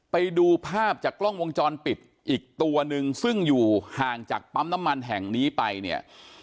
ไปดูภาพจากกล้องวงจรปิดอีกตัวนึงซึ่งอยู่ห่างจากปั๊มน้ำมันแห่งนี้ไปเนี่ย